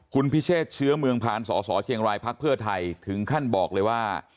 คุณพิเชษเชื้อเมืองผ่านสสเชียงรายพักเพื่อไทยถึงขั้นบอกเลยว่า